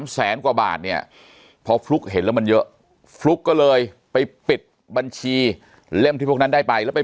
แสนกว่าบาทเนี่ยพอฟลุ๊กเห็นแล้วมันเยอะฟลุ๊กก็เลยไปปิดบัญชีเล่มที่พวกนั้นได้ไปแล้วไป